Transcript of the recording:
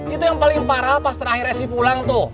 itu yang paling parah pas terakhirnya sih pulang tuh